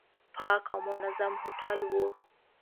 پاک او منظم هوټل و.